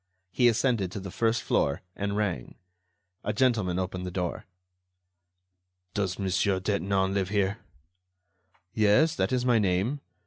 He ascended to the first floor and rang. A gentleman opened the door. "Does Monsieur Detinan live here?" "Yes, that is my name.